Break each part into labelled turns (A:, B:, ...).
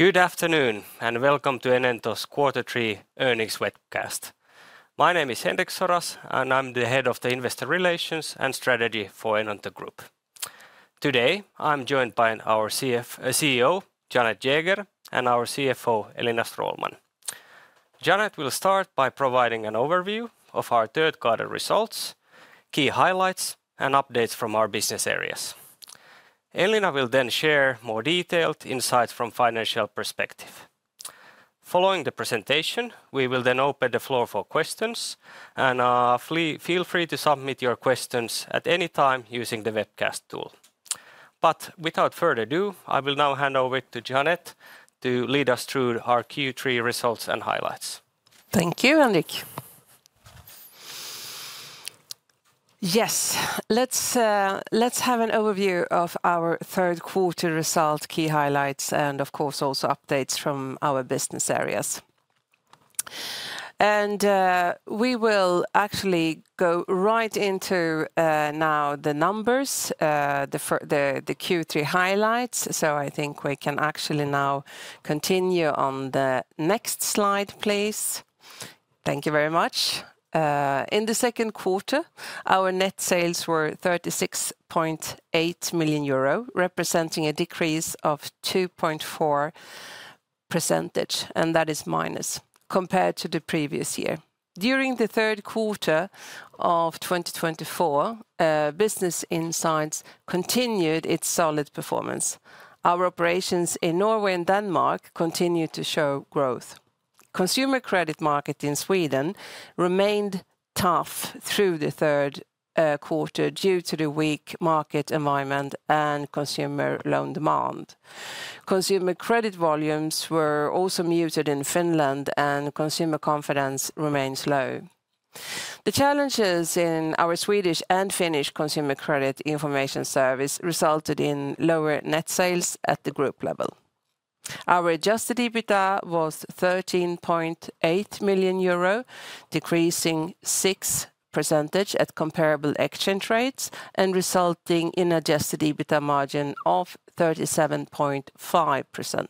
A: Good afternoon and welcome to Enento's Quarter 3 earnings webcast. My name is Henrik Soras, and I'm the head of the investor relations and strategy for Enento Group. Today, I'm joined by our CEO, Jeanette Jäger, and our CFO, Elina Stråhlman. Jeanette will start by providing an overview of our third-quarter results, key highlights, and updates from our business areas. Elina will then share more detailed insights from a financial perspective. Following the presentation, we will then open the floor for questions, and feel free to submit your questions at any time using the webcast tool. But without further ado, I will now hand over to Jeanette to lead us through our Q3 results and highlights.
B: Thank you, Henrik. Yes, let's have an overview of our third-quarter result, key highlights, and of course also updates from our business areas. We will actually go right into now the numbers, the Q3 highlights. I think we can actually now continue on the next slide, please. Thank you very much. In the second quarter, our net sales were 36.8 million euro, representing a decrease of 2.4%, and that is minus compared to the previous year. During the third quarter of 2024, Business Insight continued its solid performance. Our operations in Norway and consumer credit market in Sweden remained tough through the third quarter due to the weak market environment and consumer credit volumes were also muted in Finland, and consumer confidence remained low. The challenges in our Swedish and Consumer Credit information service resulted in lower net sales at the group level. Our adjusted EBITDA was 13.8 million euro, decreasing 6% at comparable exchange rates and resulting in an adjusted EBITDA margin of 37.5%.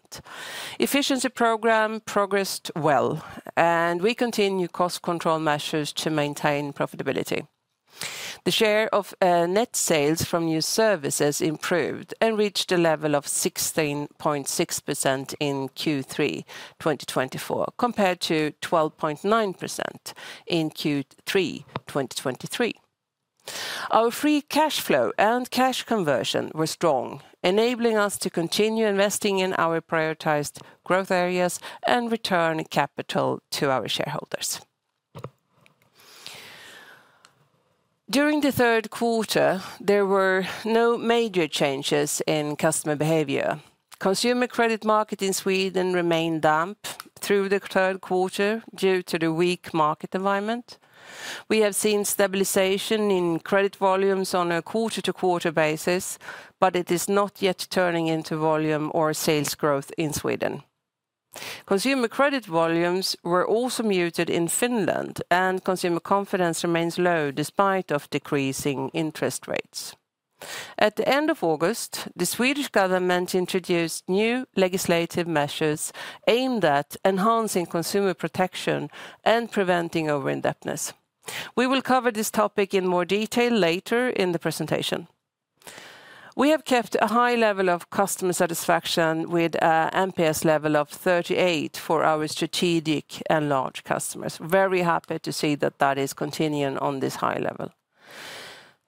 B: Efficiency program progressed well, and we continue cost control measures to maintain profitability. The share of net sales from new services improved and reached a level of 16.6% in Q3 2024 compared to 12.9% in Q3 2023. Our free cash flow and cash conversion were strong, enabling us to continue investing in our prioritized growth areas and return capital to our shareholders. During the third quarter, there were no major changes in customer behavior. Consumer credit market in Sweden remained dampened through the third quarter due to the weak market environment. We have seen stabilization in credit volumes on a quarter-to-quarter basis, but it is not yet turning into volume or sales consumer credit volumes were also muted in Finland, and consumer confidence remains low despite decreasing interest rates. At the end of August, the Swedish government introduced new legislative measures aimed at enhancing consumer protection and preventing overindebtedness. We will cover this topic in more detail later in the presentation. We have kept a high level of customer satisfaction with an NPS level of 38 for our strategic and large customers. Very happy to see that that is continuing on this high level.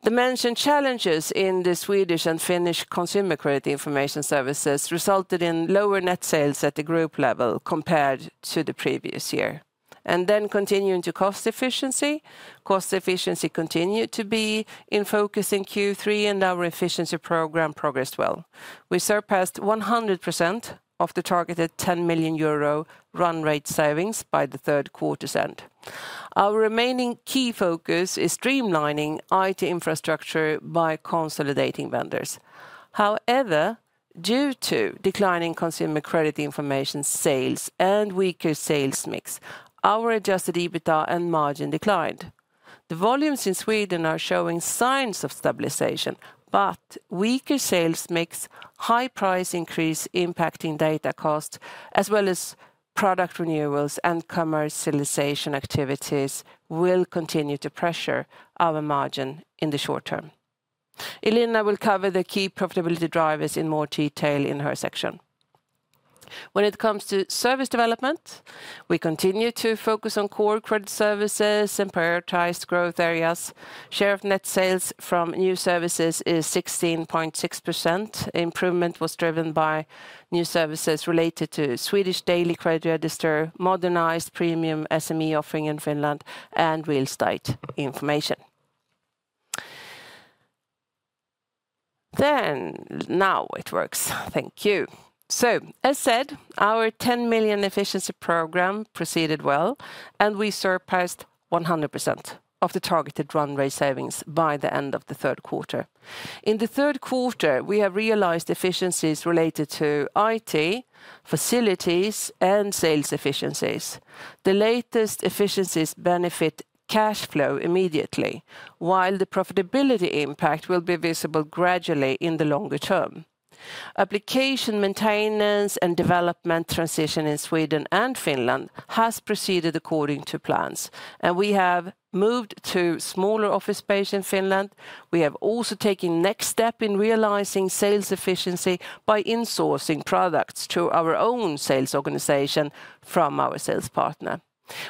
B: The mentioned challenges in the Swedish and Consumer Credit information services resulted in lower net sales at the group level compared to the previous year. Continuing to cost efficiency, cost efficiency continued to be in focus in Q3, and our efficiency program progressed well. We surpassed 100% of the targeted 10 million euro run rate savings by the third quarter's end. Our remaining key focus is streamlining IT infrastructure by consolidating vendors. However, due to Consumer Credit information sales and weaker sales mix, our adjusted EBITDA and margin declined. The volumes in Sweden are showing signs of stabilization, but weaker sales mix, high price increase impacting data costs, as well as product renewals and commercialization activities will continue to pressure our margin in the short term. Elina will cover the key profitability drivers in more detail in her section. When it comes to service development, we continue to focus on core credit services and prioritized growth areas. Share of net sales from new services is 16.6%. Improvement was driven by new services related to Swedish Daily Credit Register, modernized Premium SME offering in Real Estate information. then now it works. Thank you. As said, our 10 million efficiency program proceeded well, and we surpassed 100% of the targeted run rate savings by the end of the third quarter. In the third quarter, we have realized efficiencies related to IT facilities and sales efficiencies. The latest efficiencies benefit cash flow immediately, while the profitability impact will be visible gradually in the longer term. Application maintenance and development transition in Sweden and Finland has proceeded according to plans, and we have moved to smaller office space in Finland. We have also taken next step in realizing sales efficiency by insourcing products to our own sales organization from our sales partner.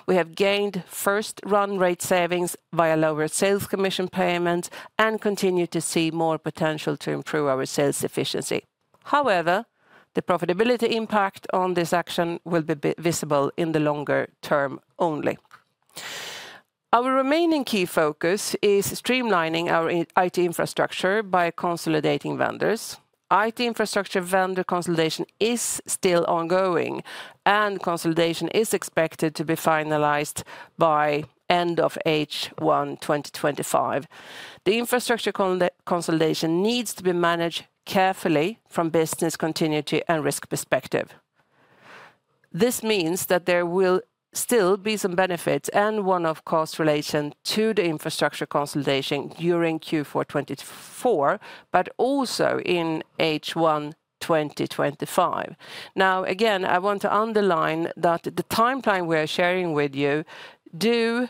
B: We have gained first run rate savings via lower sales commission payments and continue to see more potential to improve our sales efficiency. However, the profitability impact on this action will be visible in the longer term only. Our remaining key focus is streamlining our IT infrastructure by consolidating vendors. IT infrastructure vendor consolidation is still ongoing, and consolidation is expected to be finalized by end of H1 2025. The infrastructure consolidation needs to be managed carefully from business continuity and risk perspective. This means that there will still be some benefits and one-off costs related to the infrastructure consolidation during Q4 2024, but also in H1 2025. Now again, I want to underline that the timeline we are sharing with you is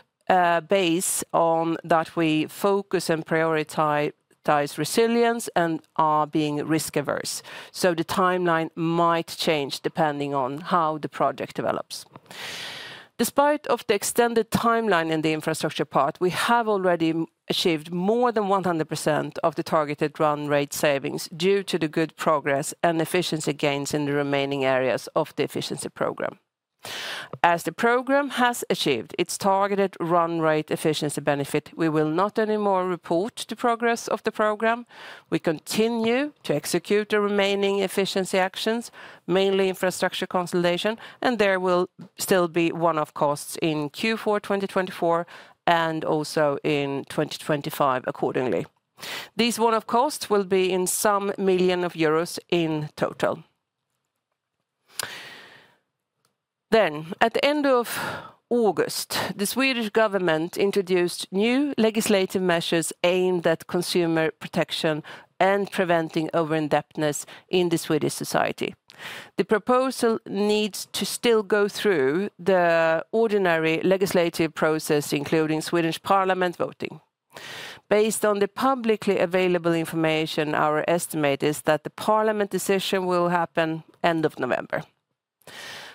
B: based on that we focus and prioritize resilience and are being risk-averse. So the timeline might change depending on how the project develops. Despite the extended timeline in the infrastructure part, we have already achieved more than 100% of the targeted run rate savings due to the good progress and efficiency gains in the remaining areas of the efficiency program. As the program has achieved its targeted run rate efficiency benefit, we will not anymore report the progress of the program. We continue to execute the remaining efficiency actions, mainly infrastructure consolidation, and there will still be one-off costs in Q4 2024 and also in 2025 accordingly. These one-off costs will be in some millions of EUR in total. Then at the end of August, the Swedish government introduced new legislative measures aimed at consumer protection and preventing overindebtedness in the Swedish society. The proposal needs to still go through the ordinary legislative process, including Swedish parliament voting. Based on the publicly available information, our estimate is that the parliament decision will happen end of November.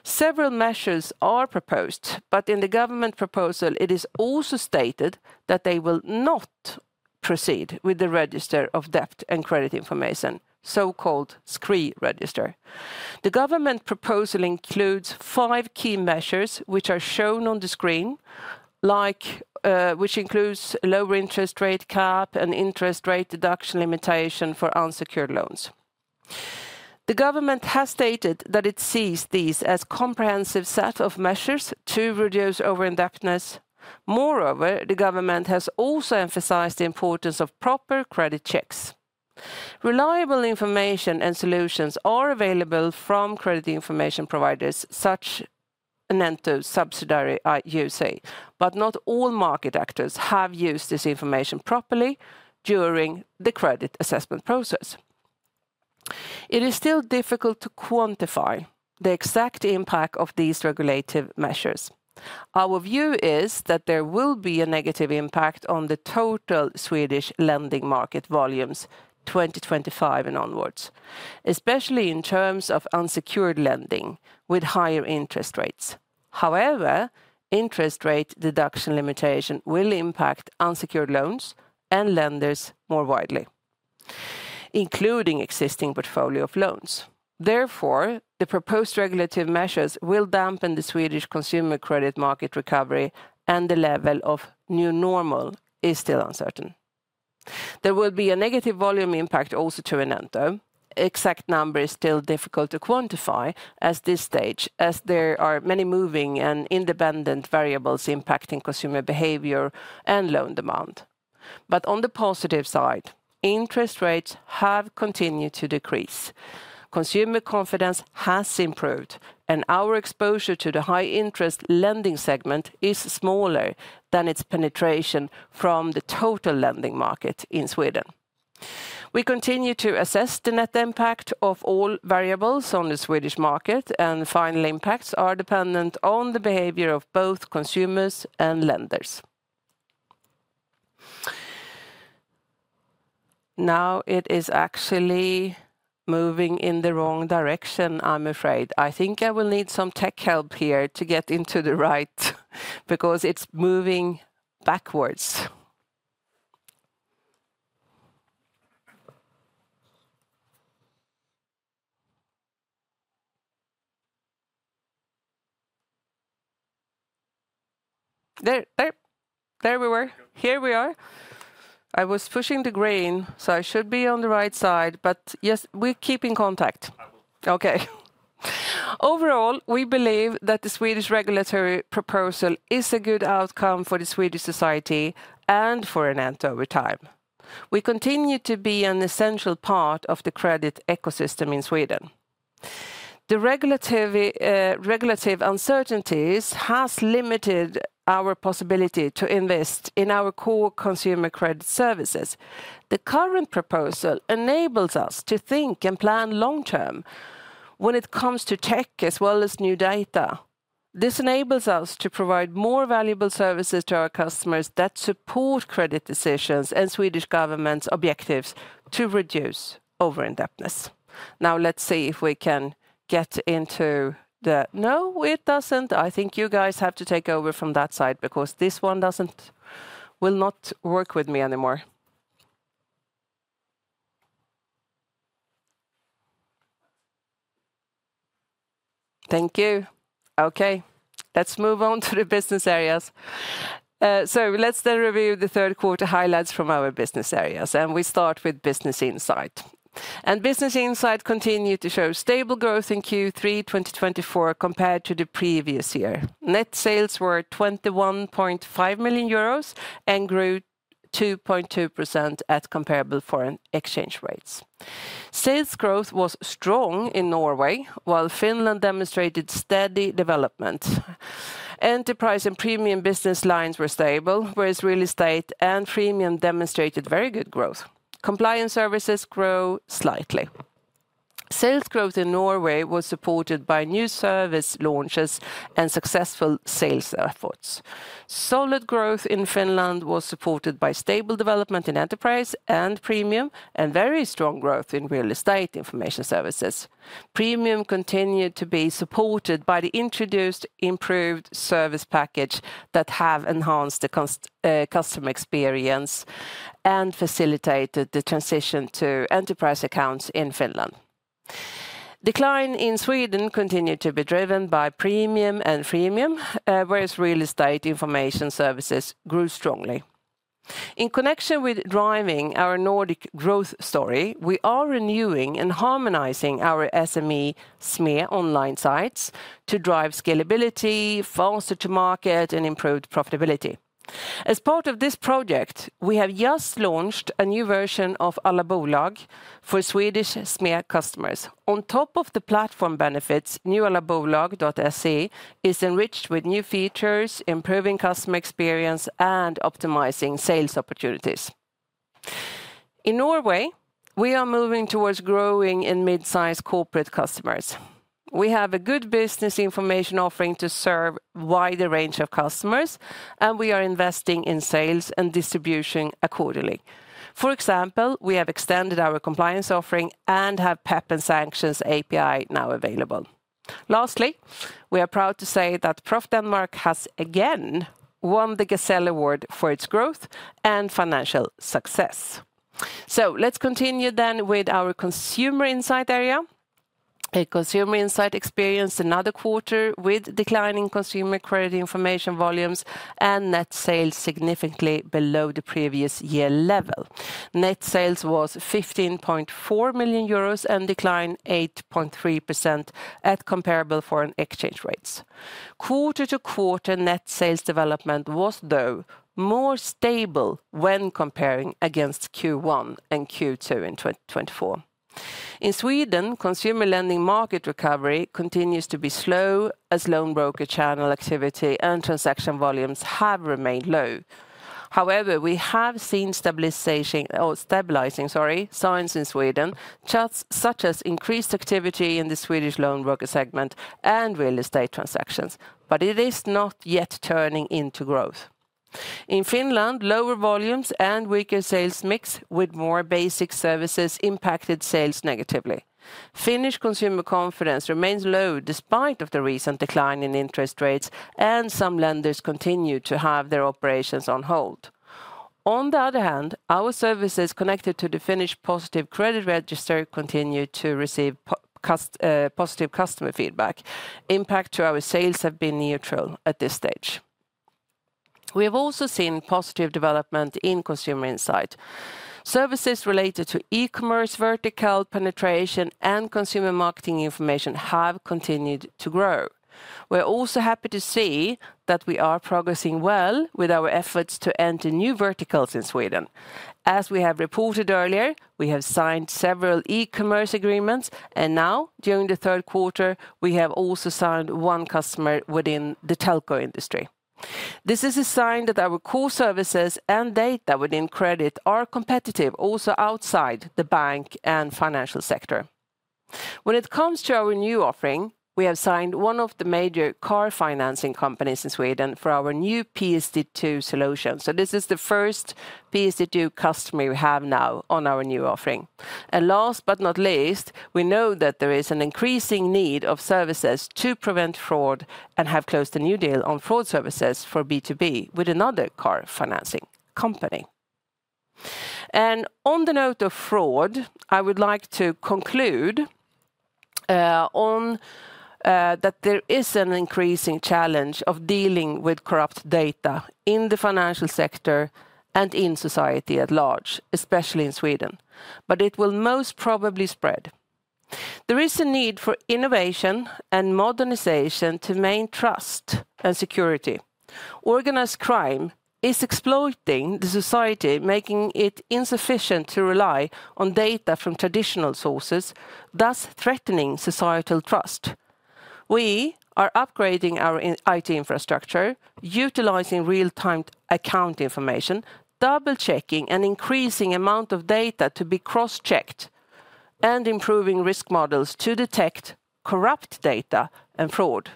B: Several measures are proposed, but in the government proposal, it is also stated that they will not proceed with the register of debt and credit information, so-called SKR register. The government proposal includes five key measures, which are shown on the screen, which includes lower interest rate cap and interest rate deduction limitation for unsecured loans. The government has stated that it sees these as a comprehensive set of measures to reduce overindebtedness. Moreover, the government has also emphasized the importance of proper credit checks. Reliable information and solutions are available from credit information providers such as Enento subsidiary UC AB, but not all market actors have used this information properly during the credit assessment process. It is still difficult to quantify the exact impact of these regulative measures. Our view is that there will be a negative impact on the total Swedish lending market volumes 2025 and onwards, especially in terms of unsecured lending with higher interest rates. However, interest rate deduction limitation will impact unsecured loans and lenders more widely, including existing portfolio of loans. Therefore, the proposed regulatory consumer credit market recovery, and the level of new normal is still uncertain. There will be a negative volume impact also to Enento. Exact number is still difficult to quantify at this stage as there are many moving and independent variables impacting consumer behavior and loan demand. But on the positive side, interest rates have continued to decrease. Consumer confidence has improved, and our exposure to the high-interest lending segment is smaller than its penetration from the total lending market in Sweden. We continue to assess the net impact of all variables on the Swedish market, and final impacts are dependent on the behavior of both consumers and lenders. Now it is actually moving in the wrong direction, I'm afraid. I think I will need some tech help here to get into the right because it's moving backwards. There we were. Here we are. I was pushing the green, so I should be on the right side, but yes, we keep in contact. Okay. Overall, we believe that the Swedish regulatory proposal is a good outcome for the Swedish society and for Enento over time. We continue to be an essential part of the credit ecosystem in Sweden. The regulatory uncertainties have limited our possibility to invest in our Consumer Credit services. The current proposal enables us to think and plan long-term when it comes to tech as well as new data. This enables us to provide more valuable services to our customers that support credit decisions and Swedish government's objectives to reduce overindebtedness. Now let's see if we can get into the. No, it doesn't. I think you guys have to take over from that side because this one doesn't will not work with me anymore. Thank you. Okay, let's move on to the business areas. So let's then review the third quarter highlights from our business areas, and we start with Business Insight. And Business Insight continued to show stable growth in Q3 2024 compared to the previous year. Net sales were 21.5 million euros and grew 2.2% at comparable foreign exchange rates. Sales growth was strong in Norway, while Finland demonstrated steady development. Enterprise and Premium business lines were Real Estate and Premium demonstrated very good growth. Compliance services grow slightly. Sales growth in Norway was supported by new service launches and successful sales efforts. Solid growth in Finland was supported by stable development in Enterprise and Premium and very strong Real Estate information services. Premium continued to be supported by the introduced improved service package that has enhanced the customer experience and facilitated the transition to Enterprise accounts in Finland. Decline in Sweden continued to be driven by Premium and Real Estate information services grew strongly. In connection with driving our Nordic growth story, we are renewing and harmonizing our SME online sites to drive scalability, faster to market, and improved profitability. As part of this project, we have just launched a new version of Allabolag for Swedish SME customers. On top of the platform benefits, new Allabolag.se is enriched with new features, improving customer experience and optimizing sales opportunities. In Norway, we are moving towards growing in mid-size corporate customers. We have a good business information offering to serve a wider range of customers, and we are investing in sales and distribution accordingly. For example, we have extended our Compliance offering and have PEP and sanctions API now available. Lastly, we are proud to say that Proff Denmark has again won the Gazelle Award for its growth and financial success. So let's continue then with our Consumer Insight area. Consumer Insight experienced another quarter with Consumer Credit information volumes and net sales significantly below the previous year level. Net sales was 15.4 million euros and declined 8.3% at comparable foreign exchange rates. Quarter to quarter net sales development was, though, more stable when comparing against Q1 and Q2 in 2024. In Sweden, consumer lending market recovery continues to be slow as loan broker channel activity and transaction volumes have remained low. However, we have seen stabilizing signs in Sweden, such as increased activity in the Swedish loan broker real estate transactions, but it is not yet turning into growth. In Finland, lower volumes and weaker sales mix with more basic services impacted sales negatively. Finnish consumer confidence remains low despite the recent decline in interest rates, and some lenders continue to have their operations on hold. On the other hand, our services connected to the Finnish Positive Credit Register continue to receive positive customer feedback. Impact to our sales has been neutral at this stage. We have also seen positive development in Consumer Insight. Services related to e-commerce vertical penetration and Consumer Marketing information have continued to grow. We are also happy to see that we are progressing well with our efforts to enter new verticals in Sweden. As we have reported earlier, we have signed several e-commerce agreements, and now during the third quarter, we have also signed one customer within the telco industry. This is a sign that our core services and data within credit are competitive also outside the bank and financial sector. When it comes to our new offering, we have signed one of the major car financing companies in Sweden for our new PSD2 solution. So this is the first PSD2 customer we have now on our new offering. And last but not least, we know that there is an increasing need of services to prevent fraud and have closed a new deal on fraud services for B2B with another car financing company. And on the note of fraud, I would like to conclude that there is an increasing challenge of dealing with corrupt data in the financial sector and in society at large, especially in Sweden, but it will most probably spread. There is a need for innovation and modernization to maintain trust and security. Organized crime is exploiting the society, making it insufficient to rely on data from traditional sources, thus threatening societal trust. We are upgrading our IT infrastructure, utilizing real-time account information, double-checking an increasing amount of data to be cross-checked, and improving risk models to detect corrupt data and fraud.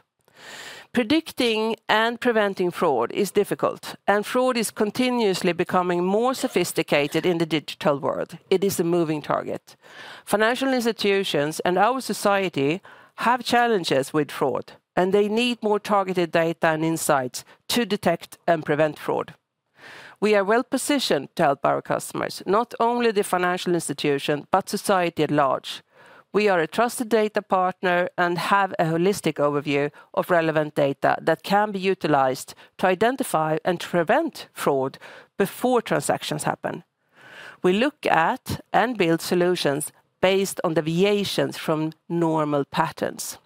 B: Predicting and preventing fraud is difficult, and fraud is continuously becoming more sophisticated in the digital world. It is a moving target. Financial institutions and our society have challenges with fraud, and they need more targeted data and insights to detect and prevent fraud. We are well positioned to help our customers, not only the financial institution, but society at large. We are a trusted data partner and have a holistic overview of relevant data that can be utilized to identify and prevent fraud before transactions happen. We look at and build solutions based on deviations from normal patterns.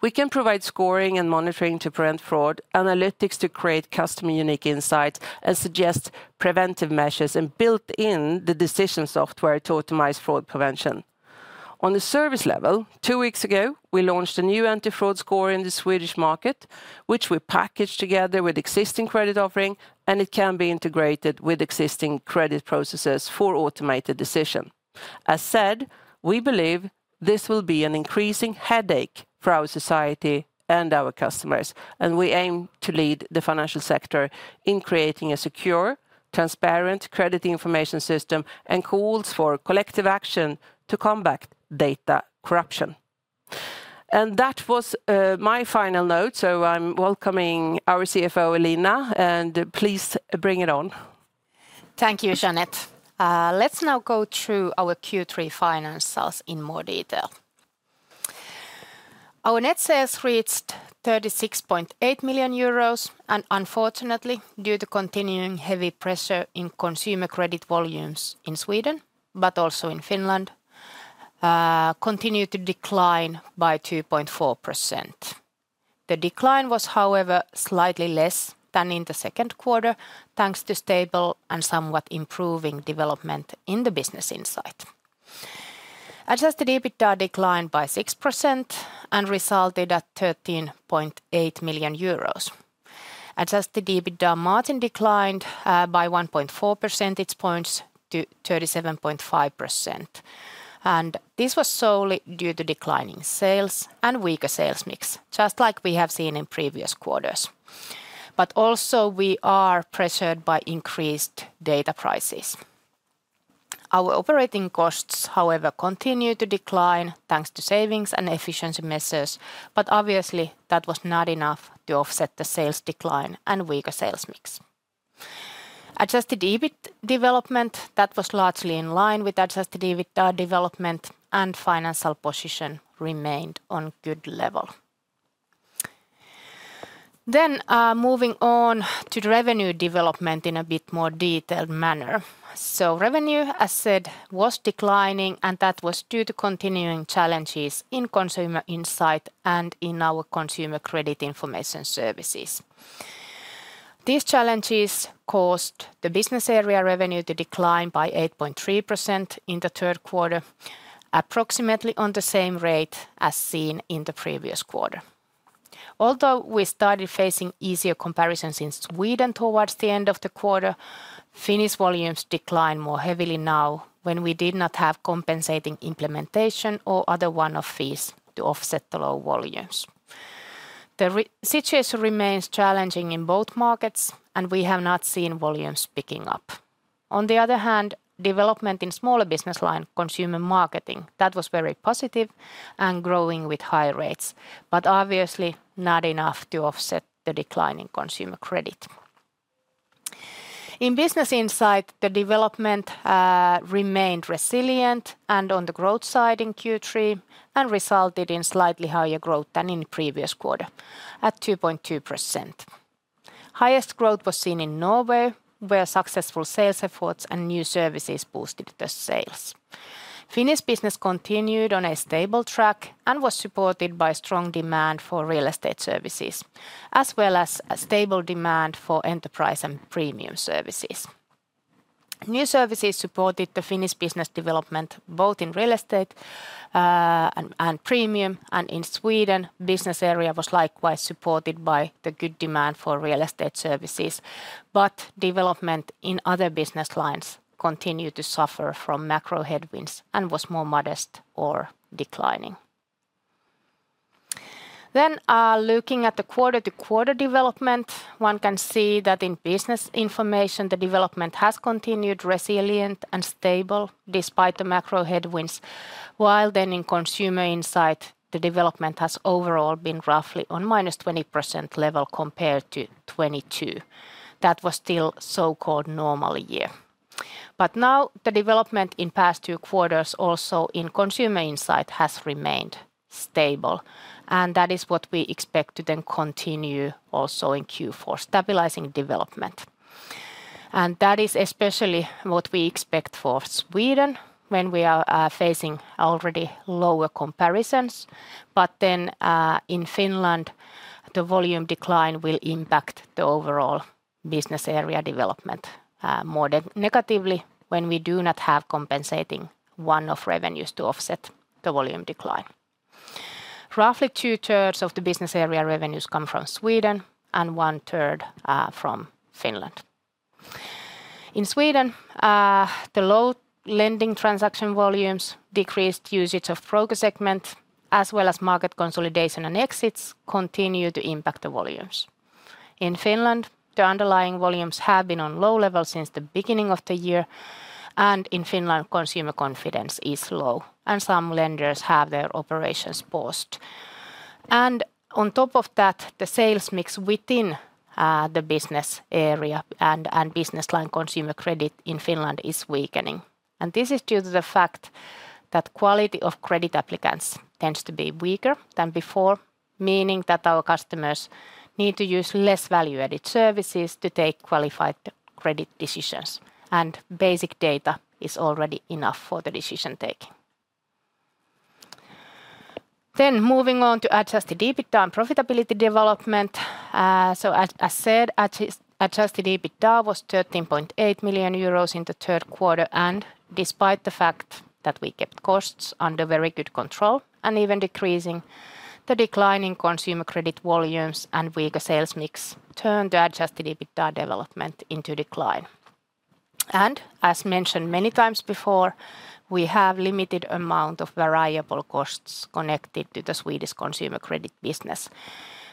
B: We can provide scoring and monitoring to prevent fraud, analytics to create customer-unique insights, and suggest preventive measures and build in the decision software to optimize fraud prevention. On the service level, two weeks ago, we launched a new anti-fraud score in the Swedish market, which we packaged together with existing credit offering, and it can be integrated with existing credit processes for automated decision. As said, we believe this will be an increasing headache for our society and our customers, and we aim to lead the financial sector in creating a secure, transparent credit information system and calls for collective action to combat data corruption. And that was my final note, so I'm welcoming our CFO Elina, and please bring it on. Thank you, Jeanette. Let's now go through our Q3 finances in more detail. Our net sales reached 36.8 million euros, and unfortunately, due to continuing consumer credit volumes in Sweden, but also in Finland, continued to decline by 2.4%. The decline was, however, slightly less than in the second quarter, thanks to stable and somewhat improving development in the Business Insight. Adjusted EBITDA declined by 6% and resulted in 13.8 million euros. Adjusted EBITDA margin declined by 1.4 percentage points to 37.5%, and this was solely due to declining sales and weaker sales mix, just like we have seen in previous quarters. But also, we are pressured by increased data prices. Our operating costs, however, continue to decline thanks to savings and efficiency measures, but obviously, that was not enough to offset the sales decline and weaker sales mix. Adjusted EBIT development that was largely in line with adjusted EBITDA development and financial position remained on good level. Then, moving on to revenue development in a bit more detailed manner. So revenue, as said, was declining, and that was due to continuing challenges in Consumer Insight and in Consumer Credit information services. These challenges caused the business area revenue to decline by 8.3% in the third quarter, approximately on the same rate as seen in the previous quarter. Although we started facing easier comparisons in Sweden towards the end of the quarter, Finnish volumes declined more heavily now when we did not have compensating implementation or other one-off fees to offset the low volumes. The situation remains challenging in both markets, and we have not seen volumes picking up. On the other hand, development in smaller business line, Consumer Marketing, that was very positive and growing with high rates, but obviously not enough to offset the declining Consumer Credit. In Business Insight, the development remained resilient and on the growth side in Q3 and resulted in slightly higher growth than in the previous quarter at 2.2%. Highest growth was seen in Norway, where successful sales efforts and new services boosted the sales. Finnish business continued on a stable track and was supported by strong Real Estate services, as well as stable demand for Enterprise and Premium services. New services supported the Finnish business development Real Estate and Premium, and in Sweden, business area was likewise supported by the good Real Estate services, but development in other business lines continued to suffer from macro headwinds and was more modest or declining. Then, looking at the quarter-to-quarter development, one can see that in Business Insight, the development has continued resilient and stable despite the macro headwinds, while then in Consumer Insight, the development has overall been roughly on minus 20% level compared to 2022. That was still so-called normal year. But now, the development in past two quarters also in Consumer Insight has remained stable, and that is what we expect to then continue also in Q4, stabilizing development. And that is especially what we expect for Sweden when we are facing already lower comparisons, but then in Finland, the volume decline will impact the overall business area development more negatively when we do not have compensating one-off revenues to offset the volume decline. Roughly two-thirds of the business area revenues come from Sweden and one-third from Finland. In Sweden, the low lending transaction volumes, decreased usage of broker segment, as well as market consolidation and exits continue to impact the volumes. In Finland, the underlying volumes have been on low level since the beginning of the year, and in Finland, consumer confidence is low, and some lenders have their operations paused, and on top of that, the sales mix within the business area and business Consumer Credit in Finland is weakening, and this is due to the fact that quality of credit applicants tends to be weaker than before, meaning that our customers need to use less value-added services to take qualified credit decisions, and basic data is already enough for the decision taking, then moving on to adjusted EBITDA and profitability development. As said, Adjusted EBITDA was 13.8 million euros in the third quarter, and despite the fact that we kept costs under very good control and even consumer credit volumes and weaker sales mix turned the Adjusted EBITDA development into decline. As mentioned many times before, we have a limited amount of variable consumer credit business,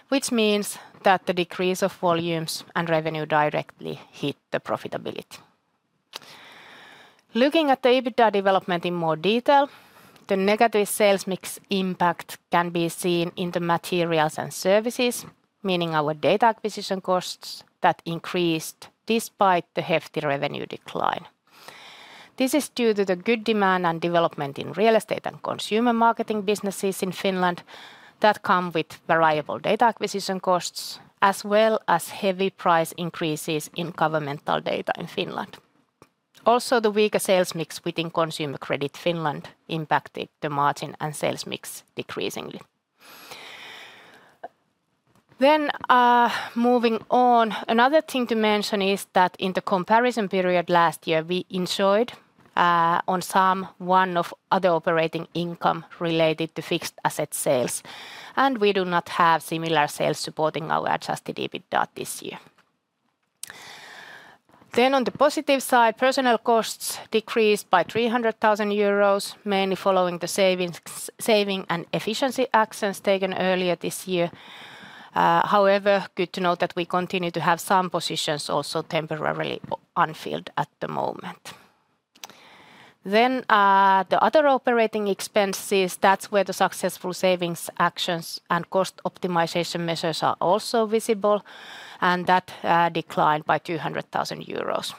B: which means that the decrease of volumes and revenue directly hit the profitability. Looking at the EBITDA development in more detail, the negative sales mix impact can be seen in the materials and services, meaning our data acquisition costs that increased despite the hefty revenue decline. This is due to the good demand and real estate and Consumer Marketing businesses in Finland that come with variable data acquisition costs, as well as heavy price increases in governmental data in Finland. Also, the weaker sales mix Consumer Credit Finland impacted the margin and sales mix decreasingly. Then, moving on, another thing to mention is that in the comparison period last year, we enjoyed on some one-off other operating income related to fixed asset sales, and we do not have similar sales supporting our adjusted EBITDA this year. Then, on the positive side, personnel costs decreased by 300,000 euros, mainly following the savings and efficiency actions taken earlier this year. However, good to note that we continue to have some positions also temporarily unfilled at the moment. Then, the other operating expenses, that's where the successful savings actions and cost optimization measures are also visible, and that declined by 200,000 euros.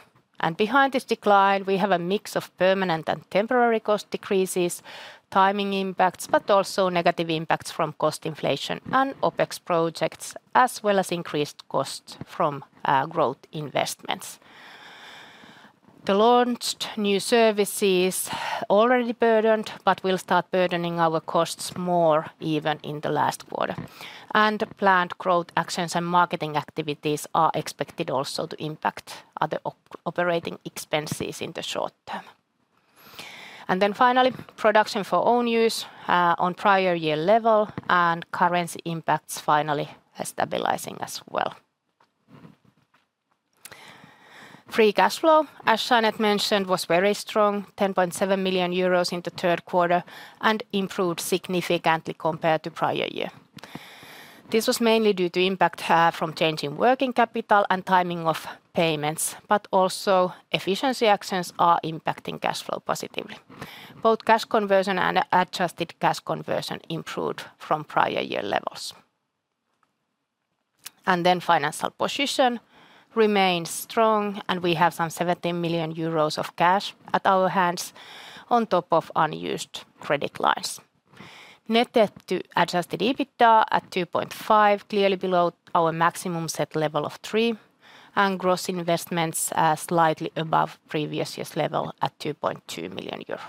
B: Behind this decline, we have a mix of permanent and temporary cost decreases, timing impacts, but also negative impacts from cost inflation and OpEx projects, as well as increased costs from growth investments. The launched new services already burdened, but will start burdening our costs more even in the last quarter. Planned growth actions and marketing activities are expected also to impact other operating expenses in the short term. Then finally, production for own use on prior year level and currency impacts finally stabilizing as well. Free cash flow, as Jeanette mentioned, was very strong, 10.7 million euros in the third quarter, and improved significantly compared to prior year. This was mainly due to impact from changing working capital and timing of payments, but also efficiency actions are impacting cash flow positively. Both cash conversion and adjusted cash conversion improved from prior year levels. Financial position remains strong, and we have some 17 million euros of cash at our hands on top of unused credit lines. Netted Adjusted EBITDA at 2.5, clearly below our maximum set level of 3, and gross investments slightly above previous year's level at 2.2 million EUR.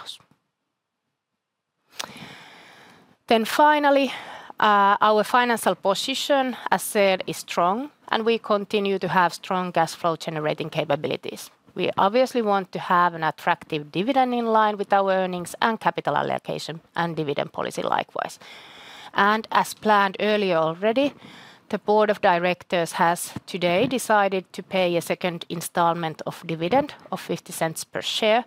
B: Our financial position, as said, is strong, and we continue to have strong cash flow generating capabilities. We obviously want to have an attractive dividend in line with our earnings and capital allocation and dividend policy likewise. As planned earlier already, the board of directors has today decided to pay a second installment of dividend of 0.50 per share.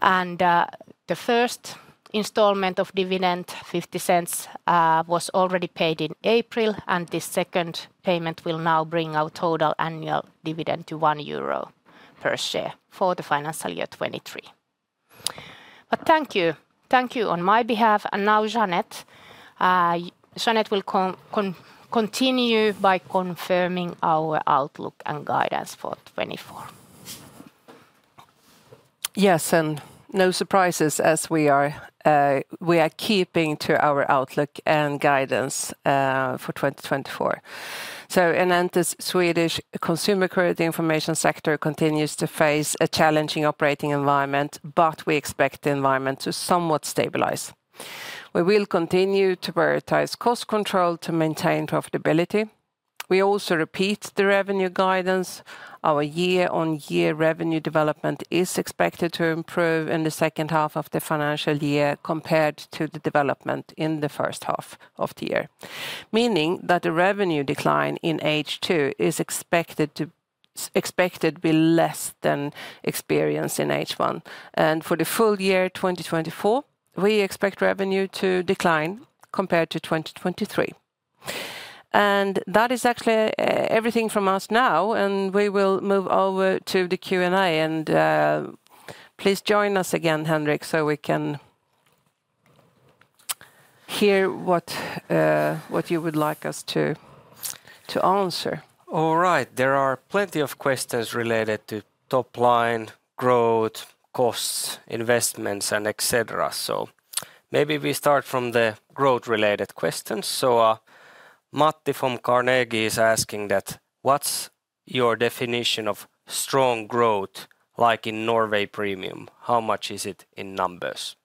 B: The first installment of dividend, 0.50, was already paid in April, and this second payment will now bring our total annual dividend to 1 euro per share for the financial year 2023. Thank you, thank you on my behalf, and now Jeanette. Jeanette will continue by confirming our outlook and guidance for 2024. Yes, and no surprises as we are keeping to our outlook and guidance for 2024. Enento's Consumer Credit information sector continues to face a challenging operating environment, but we expect the environment to somewhat stabilize. We will continue to prioritize cost control to maintain profitability. We also repeat the revenue guidance. Our year-on-year revenue development is expected to improve in the second half of the financial year compared to the development in the first half of the year, meaning that the revenue decline in H2 is expected to be less than experienced in H1. For the full year 2024, we expect revenue to decline compared to 2023. That is actually everything from us now, and we will move over to the Q&A, and please join us again, Henrik, so we can hear what you would like us to answer. All right, there are plenty of questions related to top line, growth, costs, investments, and etc. Maybe we start from the growth-related questions. Matti from Carnegie is asking that what's your definition of strong growth like in Norway Premium? How much is it in numbers?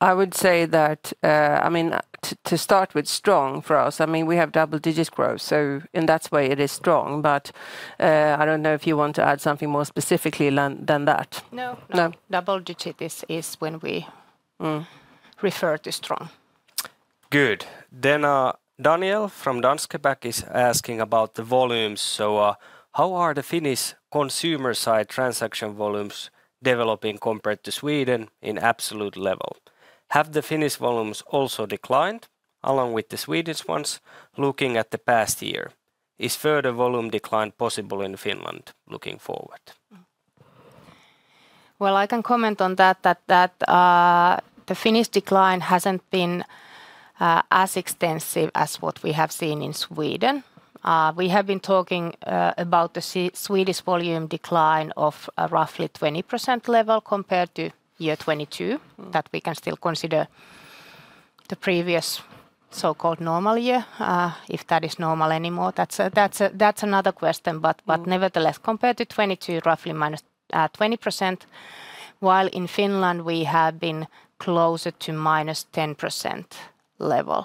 B: I would say that, I mean, to start with strong for us, I mean, we have double-digit growth, so in that way it is strong, but I don't know if you want to add something more specifically than that. No, no, double-digit is when we refer to strong. Good. Then Daniel from Danske Bank is asking about the volumes. How are the Finnish consumer side transaction volumes developing compared to Sweden in absolute level? Have the Finnish volumes also declined along with the Swedish ones looking at the past year? Is further volume decline possible in Finland looking forward? I can comment on that the Finnish decline hasn't been as extensive as what we have seen in Sweden. We have been talking about the Swedish volume decline of roughly 20% level compared to year 2022, that we can still consider the previous so-called normal year, if that is normal anymore. That's another question, but nevertheless, compared to 2022, roughly -20%, while in Finland we have been closer to -10% level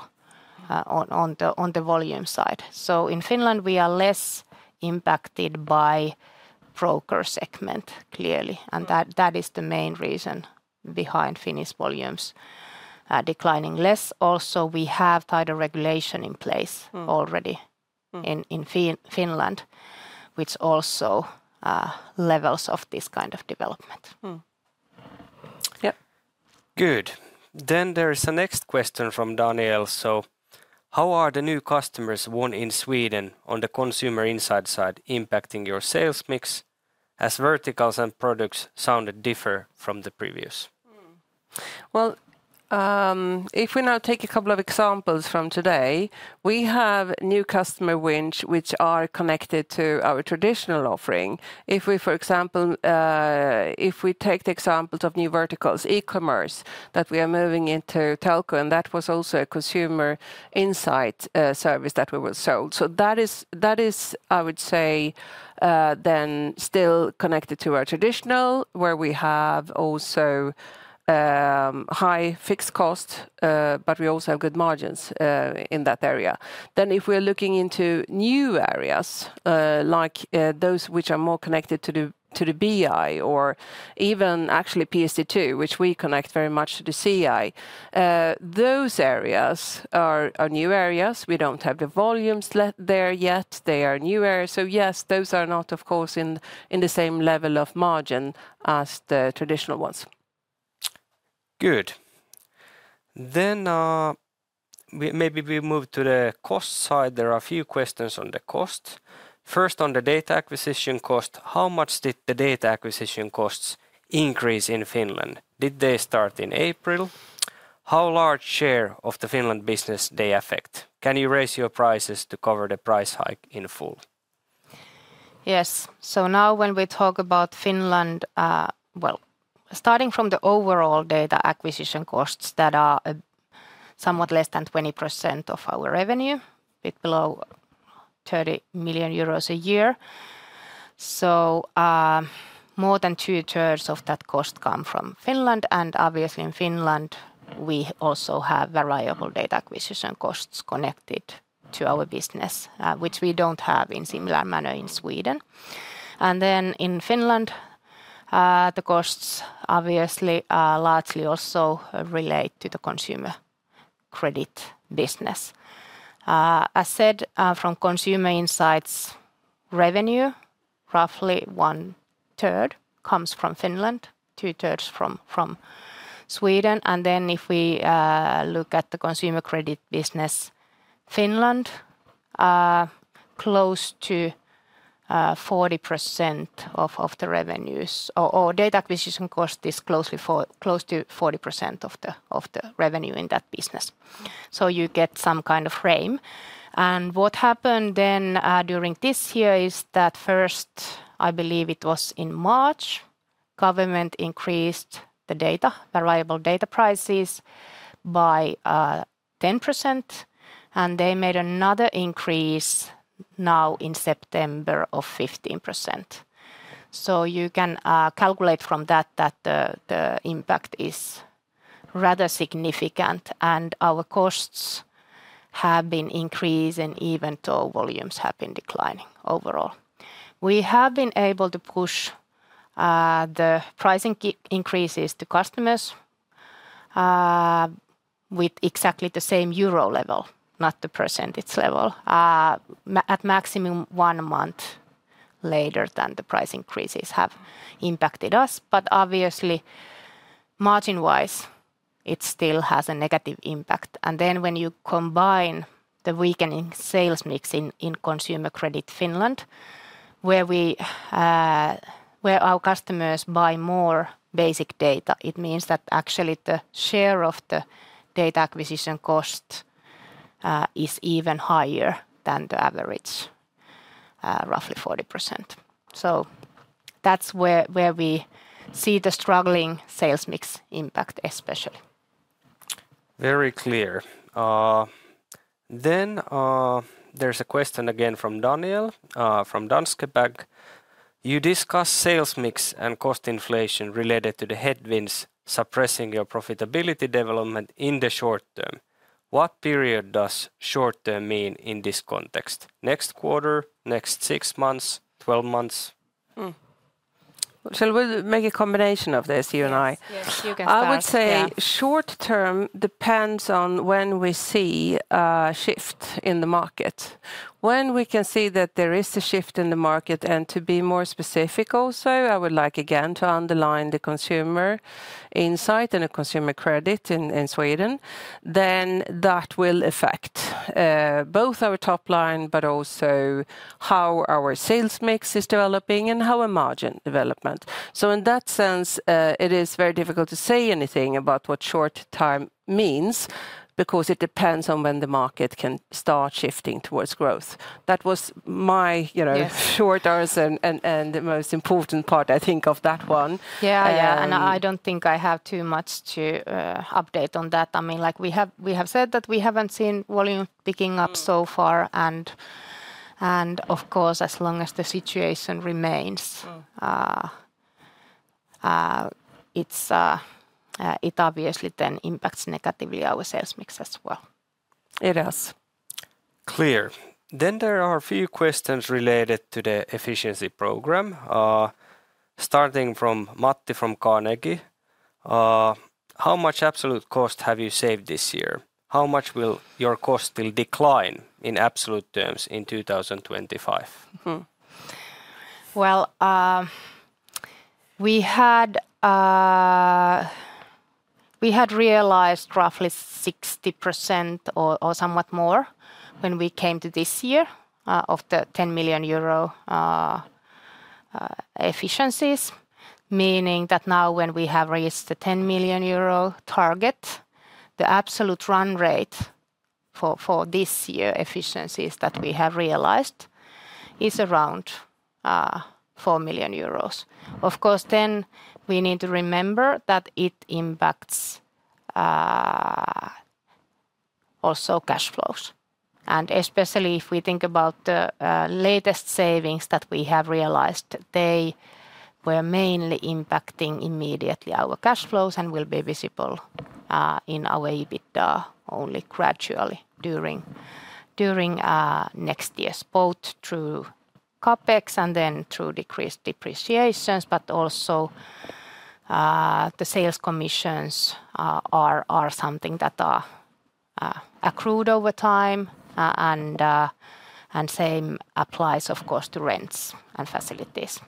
B: on the volume side. In Finland we are less impacted by broker segment clearly, and that is the main reason behind Finnish volumes declining less. Also, we have tighter regulation in place already in Finland, which also levels out this kind of development. Yeah. Good. Then there is a next question from Daniel. So how are the new customers won in Sweden on the Consumer Insight side impacting your sales mix as verticals and products sounded different from the previous? Well, if we now take a couple of examples from today, we have new customer wins which are connected to our traditional offering. If we, for example, if we take the examples of new verticals, e-commerce, that we are moving into telco, and that was also a Consumer Insight service that we sold. So that is, I would say, then still connected to our traditional, where we have also high fixed costs, but we also have good margins in that area. Then if we are looking into new areas like those which are more connected to the BI or even actually PSD2, which we connect very much to the CI, those areas are new areas. We don't have the volumes there yet. They are new areas. So yes, those are not, of course, in the same level of margin as the traditional ones. Good. Then maybe we move to the cost side. There are a few questions on the cost. First, on the data acquisition cost, how much did the data acquisition costs increase in Finland? Did they start in April? How large a share of the Finland business do they affect? Can you raise your prices to cover the price hike in full? Yes. Now when we talk about Finland, well, starting from the overall data acquisition costs that are somewhat less than 20% of our revenue, a bit below 30 million euros a year. More than two-thirds of that cost comes from Finland. Obviously in Finland, we also have variable data acquisition costs connected to our business, which we don't have in a similar manner in Sweden. Then in Finland, the costs obviously consumer credit business. as said, from Consumer Insights revenue, roughly one-third comes from Finland, two-thirds from Sweden. Then consumer credit business, Finland, close to 40% of the revenues, or data acquisition cost is close to 40% of the revenue in that business. You get some kind of frame. What happened then during this year is that first, I believe it was in March, government increased the data, variable data prices by 10%, and they made another increase now in September of 15%. You can calculate from that that the impact is rather significant, and our costs have been increasing even though volumes have been declining overall. We have been able to push the pricing increases to customers with exactly the same euro level, not the percentage level, at maximum one month later than the price increases have impacted us. Obviously, margin-wise, it still has a negative impact. When you combine the weakening sales mix Consumer Credit Finland, where our customers buy more basic data, it means that actually the share of the data acquisition cost is even higher than the average, roughly 40%. That's where we see the struggling sales mix impact especially. Very clear. Then there's a question again from Daniel from Danske Bank. You discuss sales mix and cost inflation related to the headwinds suppressing your profitability development in the short term. What period does short term mean in this context? Next quarter, next six months, twelve months? Shall we make a combination of this, you and I? Yes, you can start. I would say short term depends on when we see a shift in the market. When we can see that there is a shift in the market, and to be more specific also, I would like again to underline the Consumer Insight and Consumer Credit in Sweden, then that will affect both our top line, but also how our sales mix is developing and how our margin development. So in that sense, it is very difficult to say anything about what short term means because it depends on when the market can start shifting towards growth. That was my short answer and the most important part, I think, of that one. Yeah, and I don't think I have too much to update on that. I mean, like we have said that we haven't seen volume picking up so far, and of course, as long as the situation remains, it obviously then impacts negatively our sales mix as well. It does. Clear. Then there are a few questions related to the efficiency program. Starting from Matti from Carnegie. How much absolute cost have you saved this year? How much will your cost still decline in absolute terms in 2025? We had realized roughly 60% or somewhat more when we came to this year of the 10 million euro efficiencies, meaning that now when we have reached the 10 million euro target, the absolute run rate for this year efficiencies that we have realized is around 4 million euros. Of course, then we need to remember that it impacts also cash flows. Especially if we think about the latest savings that we have realized, they were mainly impacting immediately our cash flows and will be visible in our EBITDA only gradually during next year, both through CapEx and then through decreased depreciations, but also the sales commissions are something that are accrued over time, and same applies, of course, to rents and facilities.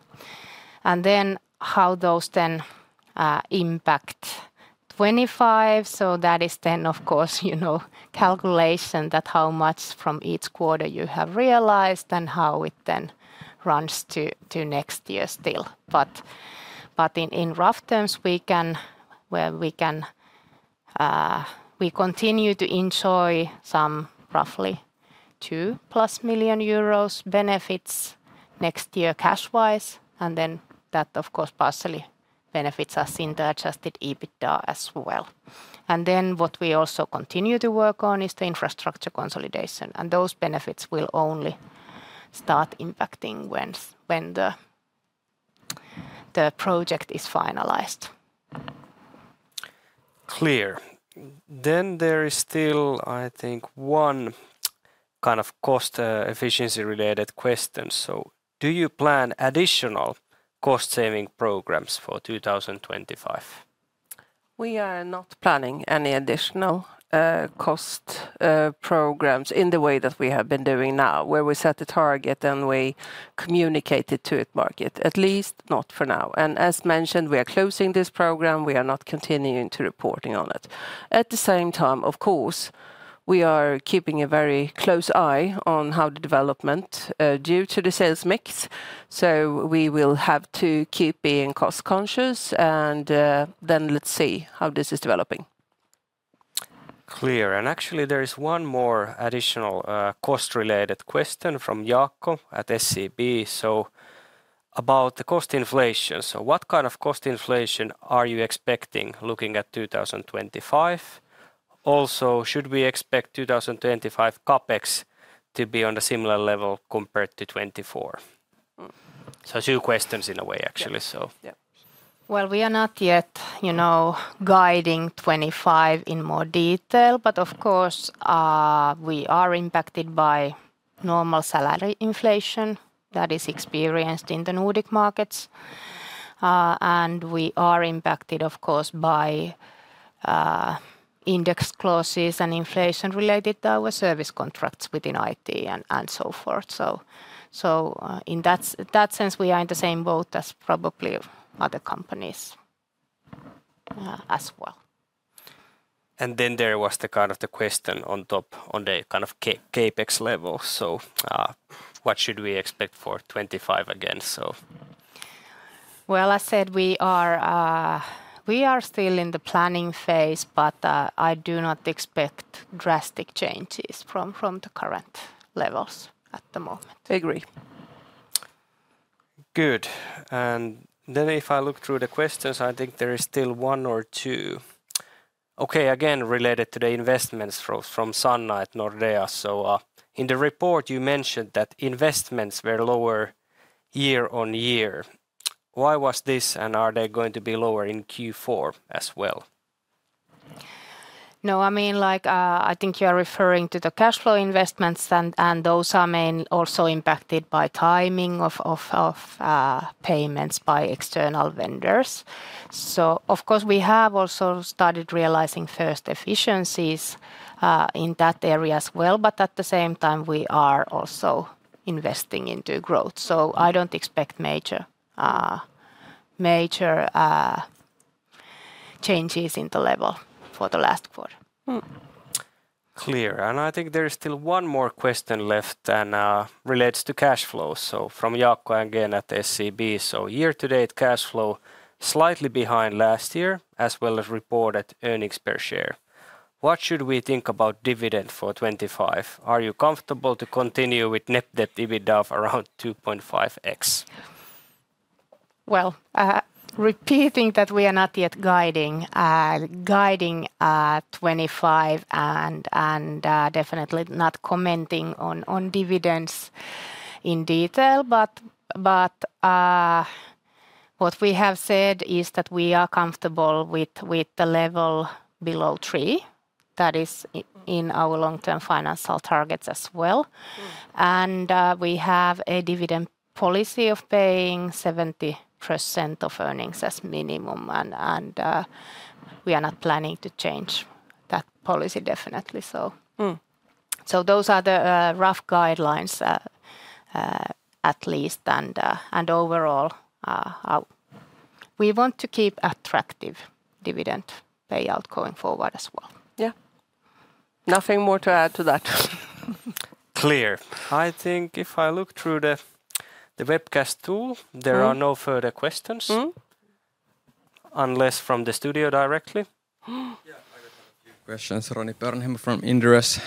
B: Then how those then impact 25, so that is then, of course, you know, a calculation that how much from each quarter you have realized and how it then runs to next year still. But in rough terms, we can continue to enjoy some roughly 2+ million euros benefits next year cash-wise, and then that, of course, partially benefits us in the adjusted EBITDA as well. Then what we also continue to work on is the infrastructure consolidation, and those benefits will only start impacting when the project is finalized. Clear. Then there is still, I think, one kind of cost efficiency-related question. Do you plan additional cost-saving programs for 2025? We are not planning any additional cost programs in the way that we have been doing now, where we set a target and we communicate it to the market, at least not for now. As mentioned, we are closing this program. We are not continuing to report on it. At the same time, of course, we are keeping a very close eye on how the development due to the sales mix. So we will have to keep being cost-conscious, and then let's see how this is developing. Clear. Actually, there is one more additional cost-related question from Jaakko at SEB. So about the cost inflation. So what kind of cost inflation are you expecting looking at 2025? Also, should we expect 2025 CapEx to be on a similar level compared to 2024? So two questions in a way, actually. We are not yet, you know, guiding 2025 in more detail, but of course, we are impacted by normal salary inflation that is experienced in the Nordic markets. We are impacted, of course, by index clauses and inflation related to our service contracts within IT and so forth. So in that sense, we are in the same boat as probably other companies as well. Then there was the question on the CapEx level. So what should we expect for 2025 again? Well, as said, we are still in the planning phase, but I do not expect drastic changes from the current levels at the moment. Agree. Good. Then if I look through the questions, I think there is still one or two. Okay, again related to the investments from Nordea. So in the report, you mentioned that investments were lower year on year. Why was this, and are they going to be lower in Q4 as well? No, I mean, like I think you are referring to the cash flow investments, and those are mainly also impacted by timing of payments by external vendors. So of course, we have also started realizing first efficiencies in that area as well, but at the same time, we are also investing into growth. So I don't expect major changes in the level for the last quarter. Clear. I think there is still one more question left and relates to cash flow. So from Jaakko again at SEB. So year-to-date cash flow slightly behind last year, as well as reported earnings per share. What should we think about dividend for 2025? Are you comfortable to continue with net debt EBITDA of around 2.5x? Repeating that we are not yet guiding 25 and definitely not commenting on dividends in detail, but what we have said is that we are comfortable with the level below three that is in our long-term financial targets as well. We have a dividend policy of paying 70% of earnings as minimum, and we are not planning to change that policy definitely. Those are the rough guidelines at least, and overall, we want to keep attractive dividend payout going forward as well. Yeah. Nothing more to add to that. Clear. I think if I look through the webcast tool, there are no further questions unless from the studio directly. Yeah, I got a few questions. Roni Peuranheimo from Inderes.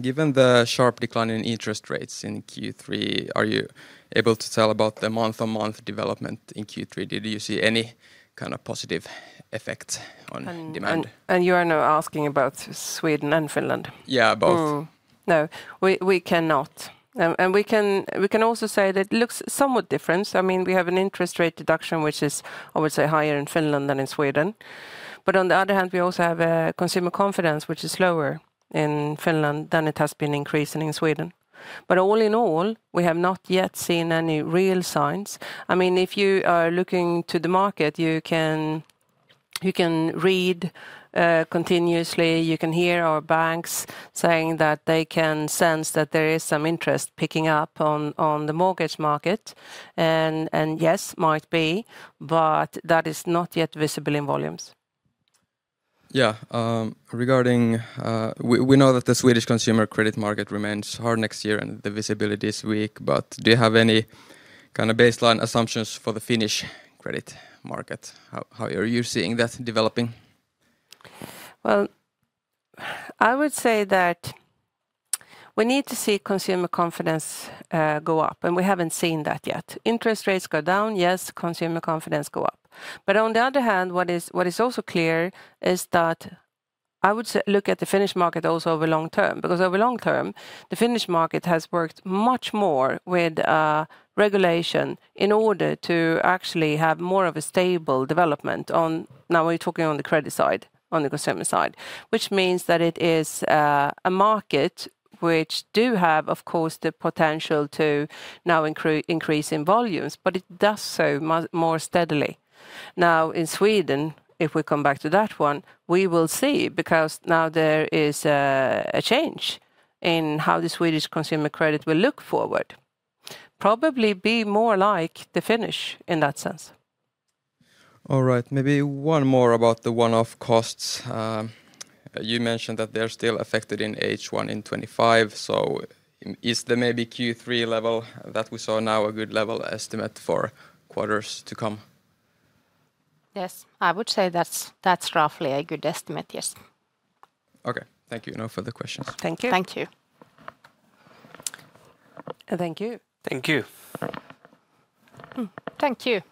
B: Given the sharp decline in interest rates in Q3, are you able to tell about the month-on-month development in Q3? Did you see any kind of positive effect on demand? And you are now asking about Sweden and Finland? Yeah, both. No, we cannot. And we can also say that it looks somewhat different. I mean, we have an interest rate deduction, which is, I would say, higher in Finland than in Sweden. But on the other hand, we also have a consumer confidence, which is lower in Finland than it has been increasing in Sweden. But all in all, we have not yet seen any real signs. I mean, if you are looking to the market, you can read continuously. You can hear our banks saying that they can sense that there is some interest picking up on the mortgage market. And yes, might be, but that is not yet visible in volumes. Yeah, regarding, consumer credit market remains hard next year and the visibility is weak, but do you have any kind of baseline assumptions for the Finnish credit market? How are you seeing that developing? Well, I would say that we need to see consumer confidence go up, and we haven't seen that yet. Interest rates go down, yes, consumer confidence go up. But on the other hand, what is also clear is that I would look at the Finnish market also over long term, because over long term, the Finnish market has worked much more with regulation in order to actually have more of a stable development on, now we're talking on the credit side, on the consumer side, which means that it is a market which do have, of course, the potential to now increase in volumes, but it does so much more steadily. Now, in Sweden, if we come back to that one, we will see because now there is a change in how the Consumer Credit will look forward. Probably be more like the Finnish in that sense. All right, maybe one more about the one-off costs. You mentioned that they're still affected in H1 in 2025. So is the maybe Q3 level that we saw now a good level estimate for quarters to come? Yes, I would say that's roughly a good estimate, yes. Okay, thank you now for the questions. Thank you. Thank you. Thank you. Thank you.